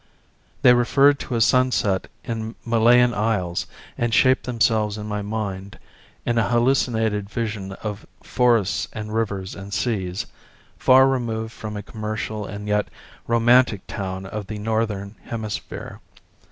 They referred to a sunset in Malayan Isles and shaped themselves in my mind, in a hallucinated vision of forests and rivers and seas, far removed from a commercial and yet romantic town of the northern hemisphere.